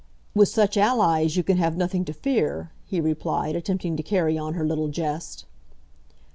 "With such allies you can have nothing to fear," he replied, attempting to carry on her little jest.